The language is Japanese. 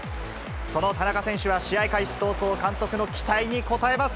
その田中選手は試合開始早々、監督の期待に応えます。